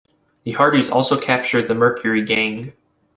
The Hardys also capture the Mercury gang.